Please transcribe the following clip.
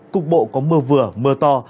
cục bộ có mưa vừa mưa to